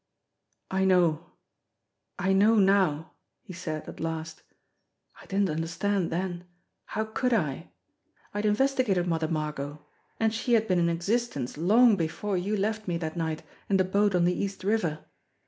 "I know. I know now," he said at last. "I didn't under stand then. How could I ? I had investigated Mother Mar got and she had been in existence long before you left me that night in the boat on the East River.